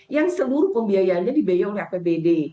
yang seluruh pembiayaannya dibebayang oleh pbb